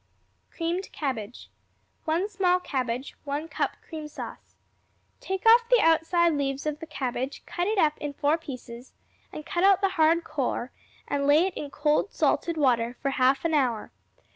Creamed Cabbage 1 small cabbage. 1 cup cream sauce. Take off the outside leaves of the cabbage; cut it up in four pieces, and cut out the hard core and lay it in cold, salted water for half an hour.